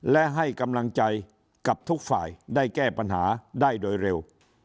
และให้กำลังใจกับทุกฝ่ายได้แก้ปัญหาได้โดยเร็ว